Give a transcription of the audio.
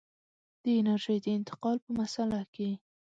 د انرژۍ د انتقال په مسأله کې.